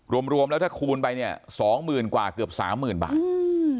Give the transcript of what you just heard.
รวมรวมแล้วถ้าคูณไปเนี่ยสองหมื่นกว่าเกือบสามหมื่นบาทอืม